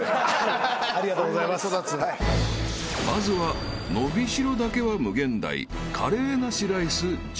［まずは伸びしろだけは無限大カレーなしライス実